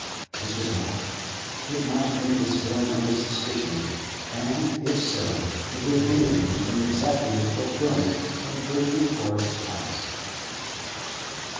This was all. It might bring this villain under suspicion, and, if so, it would hinder him from exacting the fulfilment of Gertrude Forrest's promise.